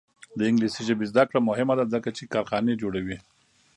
د انګلیسي ژبې زده کړه مهمه ده ځکه چې کارخانې جوړوي.